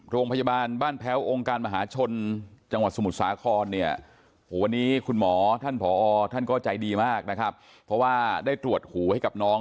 โรงพยาบาลบ้านแพ้วองค์การมหาชนจังหวัดสมุทรสาครเนี่ยโหวันนี้คุณหมอท่านผอท่านก็ใจดีมากนะครับเพราะว่าได้ตรวจหูให้กับน้อง